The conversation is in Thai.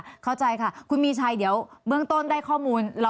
เข้าใจค่ะคุณมีชัยเดี๋ยวเบื้องต้นได้ข้อมูล